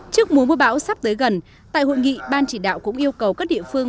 trước mùa mưa bão sắp tới gần tại hội nghị ban chỉ đạo cũng yêu cầu các địa phương